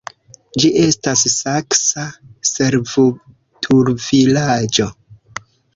Ĝi estis saksa servutulvilaĝo.